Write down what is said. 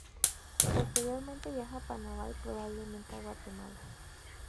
Posteriormente viaja a Panamá y probablemente a Guatemala.